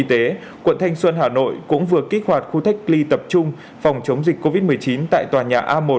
y tế quận thanh xuân hà nội cũng vừa kích hoạt khu cách ly tập trung phòng chống dịch covid một mươi chín tại tòa nhà a một